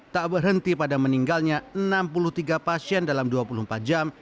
tak berhenti pada meninggalnya enam puluh tiga pasien dalam dua puluh empat jam